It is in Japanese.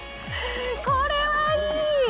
これはいい。